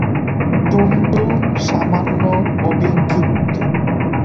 তুণ্ড সামান্য অভিক্ষিপ্ত।